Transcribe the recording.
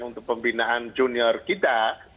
untuk pembinaan junior kita